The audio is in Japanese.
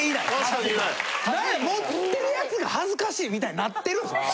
持ってるやつが恥ずかしいみたいになってるんですよ。